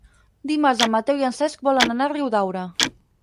Dimarts en Mateu i en Cesc volen anar a Riudaura.